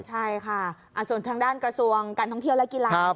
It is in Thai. ใช่ค่ะส่วนทางด้านกระทรวงการท่องเที่ยวและกีฬา